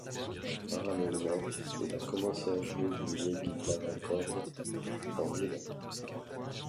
Parallèlement, il a commencé à jouer d'une vieille guitare à cordes en nylon.